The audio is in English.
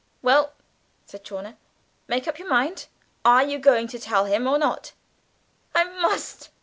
"Well?" said Chawner, "make up your mind; are you going to tell him, or not?" "I must!"